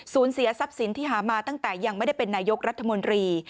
เสียทรัพย์สินที่หามาตั้งแต่ยังไม่ได้เป็นนายกรัฐมนตรี